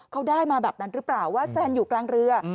เขาได้มาแบบนั้นหรือเปล่าว่าแซนอยู่กลางเรือ